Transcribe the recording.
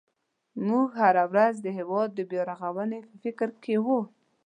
موږ هره ورځ د هېواد د بیا رغونې په فکر کې وو.